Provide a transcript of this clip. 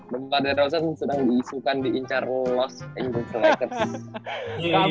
demar drauzan sedang diisukan diincar los angeles lakers